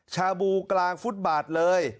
ชาบูกลางฟุตบาทเลย